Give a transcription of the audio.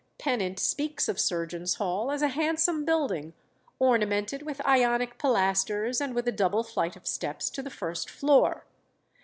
Pennant speaks of Surgeons' Hall as a handsome building, ornamented with Ionic pilasters, and with a double flight of steps to the first floor.